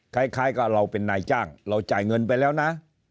คล้ายกับเราเป็นนายจ้างเราจ่ายเงินไปแล้วนะ